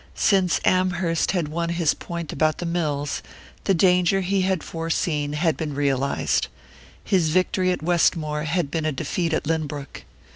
Since Amherst had won his point about the mills, the danger he had foreseen had been realized: his victory at Westmore had been a defeat at Lynbrook.